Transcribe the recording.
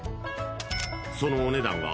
そのお値段は